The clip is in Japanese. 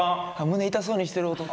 胸痛そうにしてる弟。